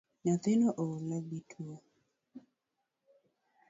Nyathino oolo gi gi tuo